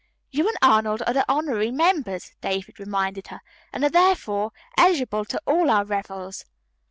"You and Arnold are the honorary members," David reminded her, "and are, therefore, eligible to all our revels."